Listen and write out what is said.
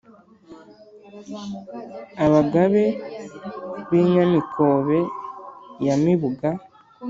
abagabe b’i nyamikobe ya mibuga